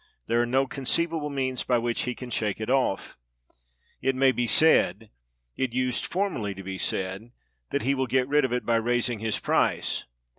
There are no conceivable means by which he can shake it off. It may be said—it used formerly to be said—that he will get rid of it by raising his price.